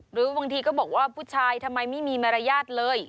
หรือบางทีก็บอกว่าผู้ชายทำไมไม่มีมารยาทเลย